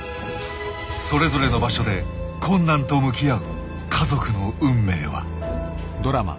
それぞれの場所で困難と向き合う家族の運命は。